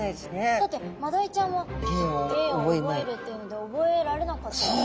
だってマダイちゃんは芸を覚えるっていうので覚えられなかったんですもんね。